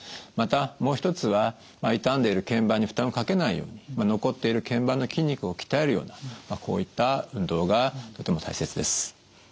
またもう一つは傷んでいる腱板に負担をかけないように残っている腱板の筋肉を鍛えるようなこういった運動がとても大切です。